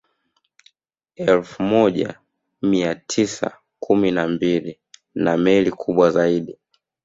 Elfu moja mia mtisa kumi na mbili na meli kubwa zaidi